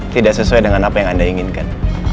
tidak sesuai dengan apa yang anda inginkan